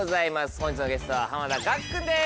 本日のゲストは濱田岳君です。